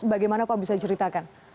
bagaimana pak bisa ceritakan